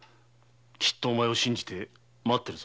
きっとお前を信じて待ってるぞ。